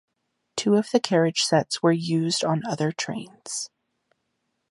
Two of the carriage sets were used on other trains.